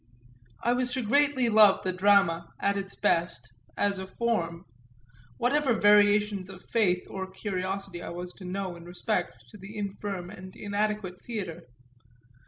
I was greatly to love the drama, at its best, as a "form"; whatever variations of faith or curiosity I was to know in respect to the infirm and inadequate theatre.